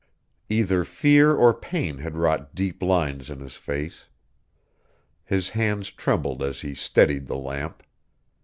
Either fear or pain had wrought deep lines in his face. His hands trembled as he steadied the lamp.